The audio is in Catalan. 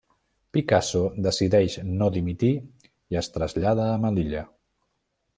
Picasso decideix no dimitir i es trasllada a Melilla.